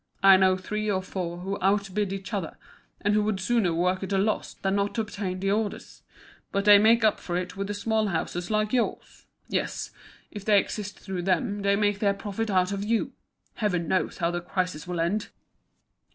I know three or four who out bid each other, and who would sooner work at a loss than not obtain the orders. But they make up for it with the small houses like yours. Yes, if they exist through them, they make their profit out of you. Heaven knows how the crisis will end!"